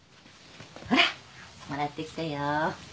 ほらもらってきたよ。